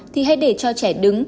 thì hãy để cho trẻ đứng